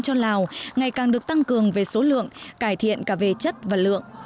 cho lào ngày càng được tăng cường về số lượng cải thiện cả về chất và lượng